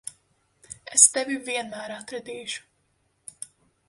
Es tevi vienmēr atradīšu.